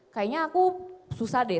kayaknya aku susah deh